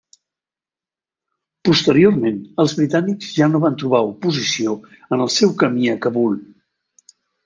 Posteriorment els britànics ja no van trobar oposició en el seu camí a Kabul.